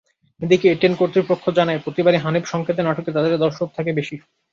এদিকে এটিএন কর্তৃপক্ষ জানায়, প্রতিবারই হানিফ সংকেতের নাটকে তাদের দর্শক থাকে বেশি।